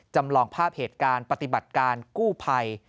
จำลองภาพเหตุการณ์ปฏิบัติการกู้ภัย